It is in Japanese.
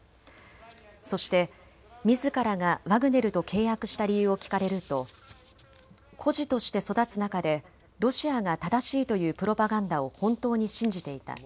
そして、みずからがワグネルと契約した理由を聞かれると孤児として育つ中でロシアが正しいというプロパガンダを本当に信じていた。